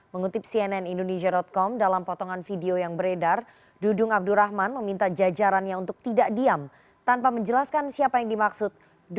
mengutip cnn indonesia com dalam potongan video yang beredar dudung abdurrahman meminta jajarannya untuk tidak diam tanpa menjelaskan siapa yang dimaksud